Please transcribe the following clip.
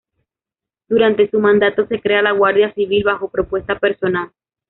Durante su mandato se crea la Guardia Civil bajo propuesta personal.